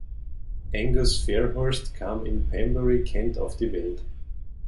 Angus Fairhurst kam in Pembury, Kent, auf die Welt.